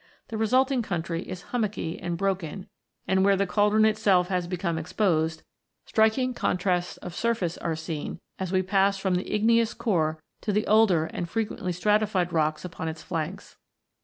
The resulting country is hummocky and broken, and, where the cauldron itself has become exposed, striking contrasts of surface are 138 ROCKS AND THEIR ORIGINS [CH. v seen as we pass from the igneous core to the older and frequently stratified rocks upon its flanks.